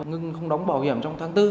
ngưng không đóng bảo hiểm trong tháng bốn